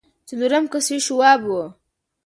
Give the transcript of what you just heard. څلورم کس يې شواب و.